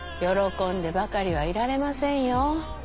喜んでばかりはいられませんよ。